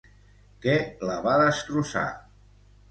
Què la va destrossar?